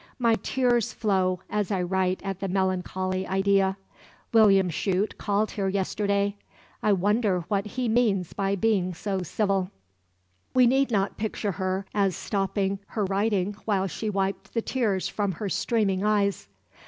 My tears flow as I write at the melancholy idea. William Chute called here yesterday. I wonder what he means by being so civil." We need not picture her as stopping her writing while she wiped the tears from her streaming eyes.